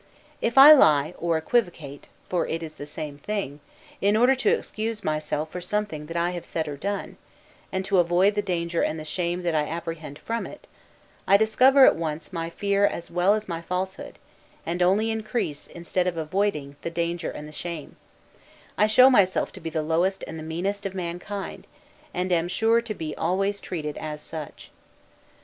If I lie, or equivocate (for it is the same thing), in order to excuse myself for something that I have said or done, and to avoid the danger and the shame that I apprehend from it, I discover at once my fear as well as my falsehood; and only increase, instead of avoiding, the danger and the shame; I show myself to be the lowest and the meanest of mankind, and am sure to be always treated as such.